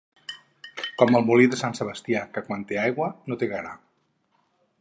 Com el molí d'en Sebastià, que quan té aigua no té gra.